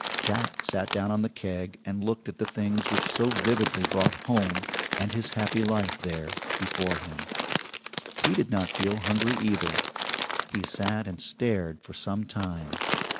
Jack sat down on the keg and looked at the things which so vividly brought home, and his happy life there, before him. He did not feel hungry, either. He sat and stared for some time.